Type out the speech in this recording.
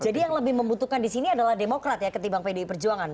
jadi yang lebih membutuhkan di sini adalah demokrat ya ketimbang pdi perjuangan